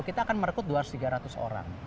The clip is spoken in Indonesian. kita akan merekrut dua ratus tiga ratus orang